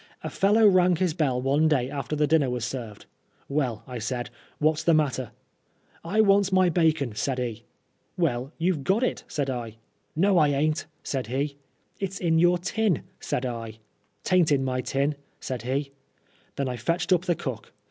A fellow rang his bell one day after the dinner was served. ' Well,' I said, •what's the matter?* *I want's my bacon,' said he. ' Well, you've got it,' said I. * No I aint,' said he. * It's in your tin,* said I. ' Taint in my tin,' said he. Then I fetched up the cook.